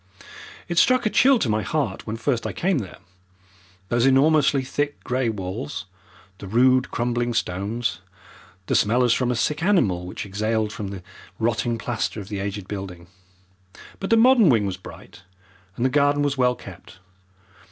It struck a chill to my heart when first I came there, those enormously thick grey walls, the rude crumbling stones, the smell as from a sick animal which exhaled from the rotting plaster of the aged building. But the modern wing was bright and the garden was well kept.